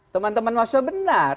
teman teman maksudnya benar